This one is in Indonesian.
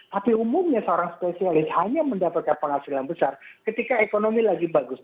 tapi umumnya seorang spesialis hanya mendapatkan penghasilan besar ketika ekonomi lagi bagus